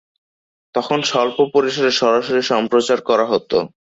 তখন স্বল্প পরিসরে সরাসরি সম্প্রচার করা হতো।